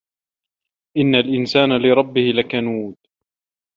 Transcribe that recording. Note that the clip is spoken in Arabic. إِنَّ الإِنسانَ لِرَبِّهِ لَكَنودٌ